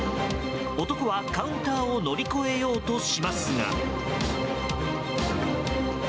男はカウンターを乗り越えようとしますが。